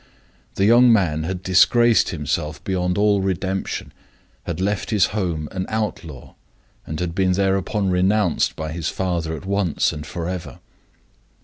The young man had disgraced himself beyond all redemption; had left his home an outlaw; and had been thereupon renounced by his father at once and forever.